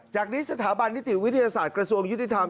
จากนี้สถาบันนิติวิทยาศาสตร์กระทรวงยุติธรรม